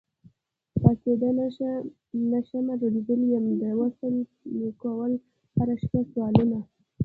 پاڅېدی نشمه رنځور يم، ستا د وصال مي کول هره شپه سوالونه